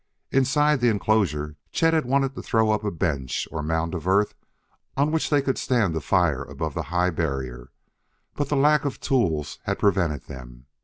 Inside the enclosure Chet had wanted to throw up a bench or mound of earth on which they could stand to fire above the high barrier, but lack of tools had prevented them.